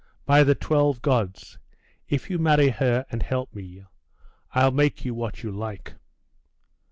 By the twelve Gods! If you marry her and help me, I'll make you what you like!